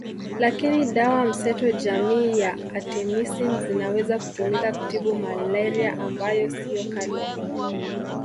Lakini dawa mseto jamii ya Artemisin zinaweza kutumika kutibu malaria ambayo siyo kali